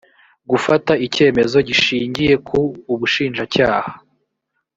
gufata icyemezo gishingiye ku ubushinjacyaha